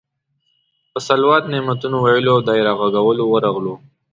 په صلوات، نعتونو ویلو او دایره غږولو ورغلو.